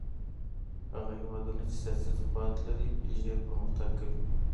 هغه هېوادونه چي سياسي ثبات لري ژر پرمختګ کوي.